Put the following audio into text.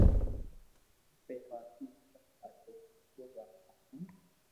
پيروا ھتي او سب آ جوئين مورگو گھڻو ھآرون